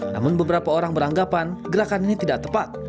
namun beberapa orang beranggapan gerakan ini tidak tepat